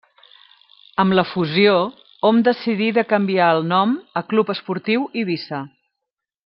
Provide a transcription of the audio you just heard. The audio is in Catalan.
Amb la fusió, hom decidí de canviar el nom a Club Esportiu Eivissa.